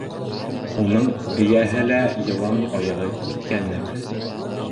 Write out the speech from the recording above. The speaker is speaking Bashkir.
- Уның эйәһе лә йылан аяғы киҫкән нәмә.